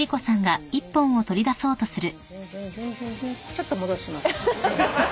ちょっと戻します。